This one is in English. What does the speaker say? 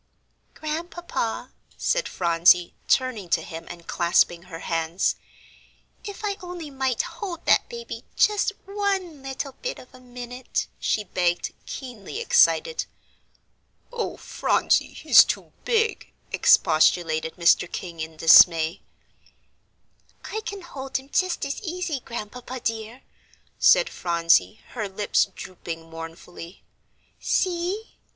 "Grandpapa," said Phronsie, turning to him and clasping her hands, "if I only might hold that baby just one little bit of a minute," she begged, keenly excited. "Oh, Phronsie, he's too big," expostulated Mr. King, in dismay. "I can hold him just as easy, Grandpapa dear," said Phronsie, her lips drooping mournfully. "See."